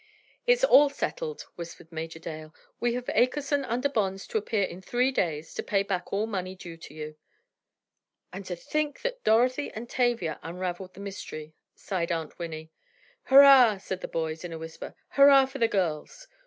"It's all settled," whispered Major Dale. "We have Akerson under bonds to appear in three days to pay back all money due you." "And to think that Dorothy and Tavia unraveled the mystery!" sighed Aunt Winnie. "Hurrah!" said the boys, in a whisper. "Hurrah for the girls!"